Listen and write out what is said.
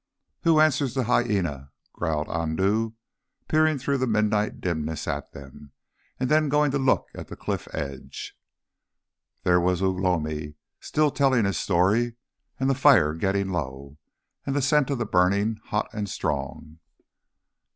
"Who answers the hyæna?" growled Andoo, peering through the midnight dimness at them, and then going to look at the cliff edge. There was Ugh lomi still telling his story, and the fire getting low, and the scent of the burning hot and strong.